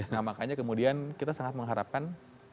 nah makanya kemudian kita sangat mengharapkan